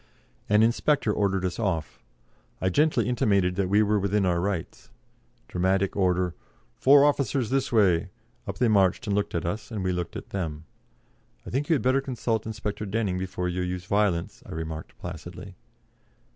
An inspector ordered us off. I gently intimated that we were within our rights. Dramatic order: "Four officers this way." Up they marched and looked at us, and we looked at them. "I think you had better consult Inspector Denning before you use violence," I remarked placidly.